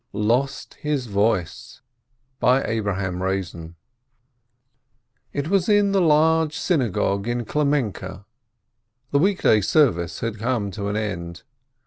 LOST HIS VOICE It was in the large synagogue in Klemenke. The week day service had come to an end.